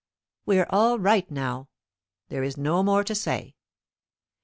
"We're all right now." There is no more to say.